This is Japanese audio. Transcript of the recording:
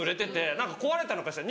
何か壊れたのかしら？